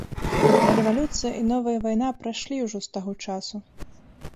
Рэвалюцыя і новая вайна прайшлі ўжо з таго часу.